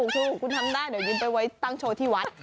ถูกคุณทำได้เดี๋ยวยืมไปไว้ตั้งโชว์ที่วัด